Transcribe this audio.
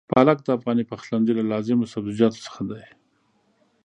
پالک د افغاني پخلنځي له لازمو سبزيجاتو څخه دی.